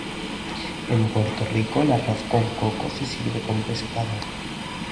En Puerto Rico el arroz con coco se sirve con pescado.